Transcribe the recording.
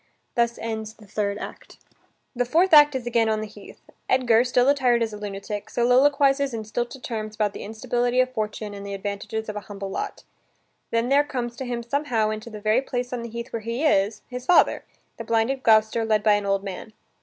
Thus ends the third act. The fourth act is again on the heath. Edgar, still attired as a lunatic, soliloquizes in stilted terms about the instability of fortune and the advantages of a humble lot. Then there comes to him somehow into the very place on the heath where he is, his father, the blinded Gloucester, led by an old man.